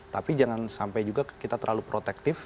tapi jangan sampai juga kita terlalu protektif